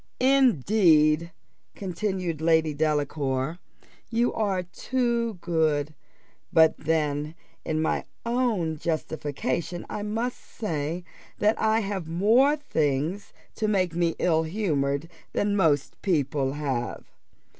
"Indeed," continued Lady Delacour, "you are too good; but then in my own justification I must say, that I have more things to make me ill humoured than most people have.